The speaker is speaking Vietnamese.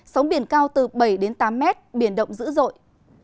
sống biển cao từ bảy đến tám m biển động dữ dội